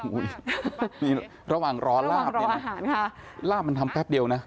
อุ้ยมีระหว่างรอลาบระหว่างรออาหารค่ะลาบมันทำแป๊บเดียวนะ